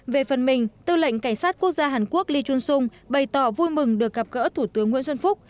về phần mình tư lệnh cảnh sát quốc gia hàn quốc ly trung sung bày tỏ vui mừng được gặp gỡ thủ tướng nguyễn xuân phúc